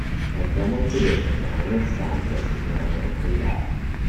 By family tradition, the oldest son gets the middle name 'Haydar'.